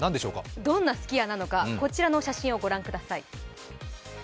どんなすき家なのかこちらの写真を御覧ください。